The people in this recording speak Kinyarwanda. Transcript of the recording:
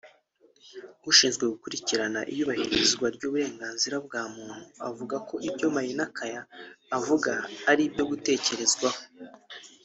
ushinzwe gukurikirana iyubahirizwa ry’uburenganzira bwa muntu avuga ko ibyo Maina Kiai avuga ari ibyo gutekerezwaho